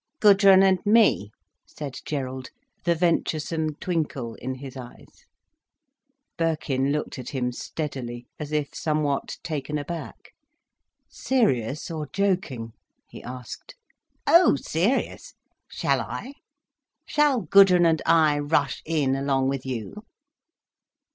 "Gudrun and me," said Gerald, the venturesome twinkle in his eyes. Birkin looked at him steadily, as if somewhat taken aback. "Serious—or joking?" he asked. "Oh, serious. Shall I? Shall Gudrun and I rush in along with you?"